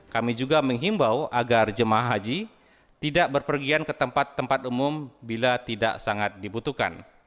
kami juga menghimbau agar jemaah haji tidak berpergian ke tempat tempat umum bila tidak sangat dibutuhkan